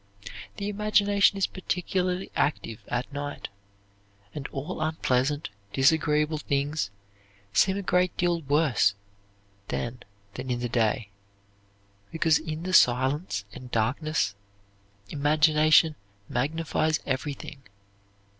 The imagination is particularly active at night, and all unpleasant, disagreeable things seem a great deal worse then than in the day, because in the silence and darkness imagination magnifies everything.